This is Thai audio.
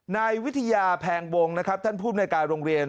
ในวิทยาแผงวงนะครับท่านพุทธนาคารโรงเรียน